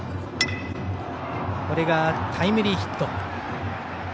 これがタイムリーヒット。